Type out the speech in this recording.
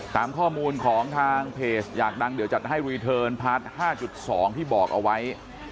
ตามข้อมูลของทางเพจอยากดังเดี๋ยวจัดให้รีเทิร์นพาร์ท๕๒ที่บอกเอาไว้